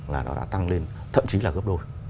là nó đã tăng lên thậm chí là gấp đôi